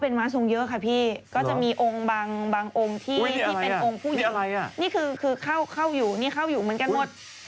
นี่คือเข้าอยู่มันกันหมด